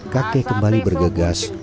kakek kembali bergegas